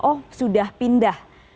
oh sudah pindah